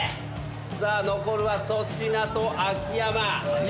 さあ残るは粗品と秋山。